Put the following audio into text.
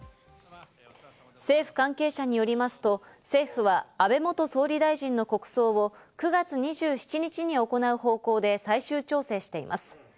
政府関係者によりますと、政府は安倍元総理大臣の国葬を９月２７日に行う方向で最終調整しています。